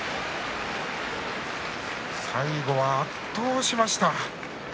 最後は圧倒しました。